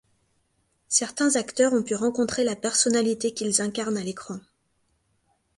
Certains acteurs ont pu rencontrer la personnalité qu'ils incarnent à l'écran.